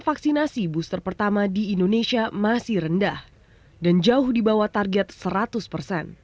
vaksinasi booster pertama di indonesia masih rendah dan jauh dibandingin dengan vaksinasi kontrasisir vaksinasi